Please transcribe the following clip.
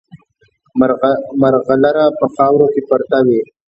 مرغلره په خاورو کې پرته وي.